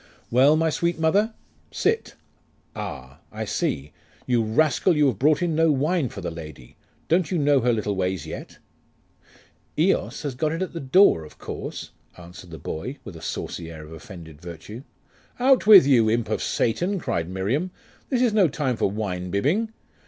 'Well my sweet mother? Sit: Ah? I see! You rascal, you have brought in no wine for the lady. Don't you know her little ways yet?' 'Eos has got it at the door, of course,' answered the boy, with a saucy air of offended virtue. 'Out with you, imp of Satan!' cried Miriam. 'This is no time for winebibbing.